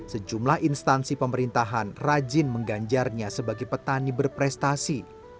sejumlah instansi pemerintahan rajin mengganjarnya sebagai petani berprestasi